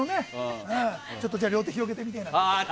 両手を広げてみたいな。